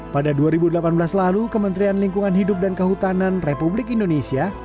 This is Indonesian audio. pada dua ribu delapan belas lalu kementerian lingkungan hidup dan kehutanan republik indonesia